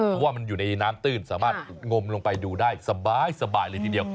เพราะว่ามันอยู่ในน้ำตื้นสามารถงมลงไปดูได้สบายเลยทีเดียว